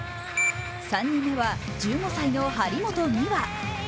３人目は１５歳の張本美和。